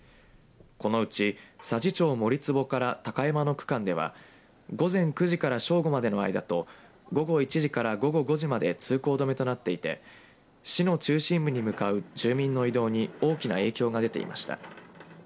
このうち佐治町森坪から高山の区間では午前９時から正午までの間と午後１時から午後５時まで通行止めとなっていて市の中心部に向かう住民の移動に大きな影響が出ていました。